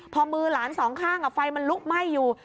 พอมือหลานสองข้างไฟมันลุกไหม้อยู่